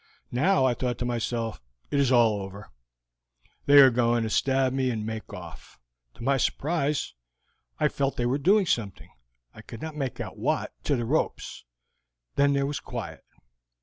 Now, I thought to myself, it is all over; they are going to stab me and make off. To my surprise I felt they were doing something I could not make out what to the ropes; then there was quiet.